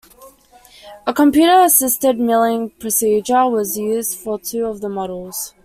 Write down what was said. A computer-assisted milling procedure was used for two of the models.